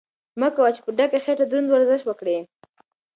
مه کوه چې په ډکه خېټه دروند ورزش وکړې.